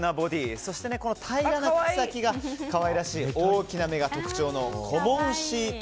そして平らな口先が可愛らしい大きな目が特徴のコモンシート